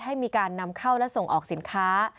ให้มีการนำเข้าและส่งออกสินค้า